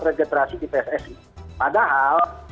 regeterasi di pssi padahal